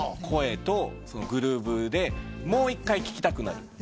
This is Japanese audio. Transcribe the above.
声とグルーヴでもう１回聴きたくなる。